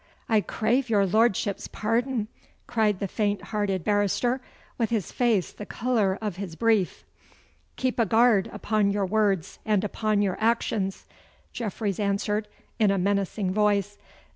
'I crave your Lordship's pardon!' cried the faint hearted barrister, with his face the colour of his brief. 'Keep a guard upon your words and upon your actions?' Jeffreys answered, in a menacing voice.